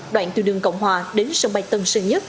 đoạn từ đường cộng hòa đến sân bay tân sơn nhất